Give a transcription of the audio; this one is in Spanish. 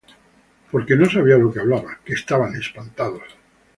Porque no sabía lo que hablaba; que estaban espantados.